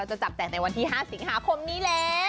จะจับแจกในวันที่๕สิงหาคมนี้แล้ว